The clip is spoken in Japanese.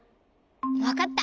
わかった！